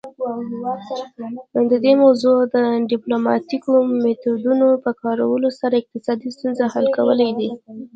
د دې موضوع د ډیپلوماتیکو میتودونو په کارولو سره اقتصادي ستونزې حل کول دي